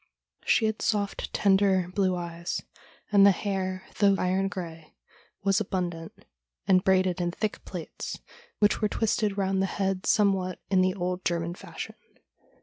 She had soft, tender, blue eyes, and the hair, though iron grey, was abundant, and braided in thick plaits, which were twisted round the head somewhat in the old German fashion.